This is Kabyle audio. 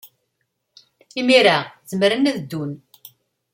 Imir-a, zemren ad ddun.